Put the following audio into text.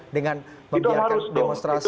dengan membiarkan demonstrasi